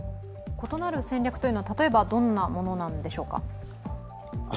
異なる戦略というのは例えばどんなものなんでしょうか。